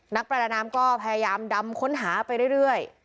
นักประดาน้ำก็พยายามดำค้นหาไปเรื่อย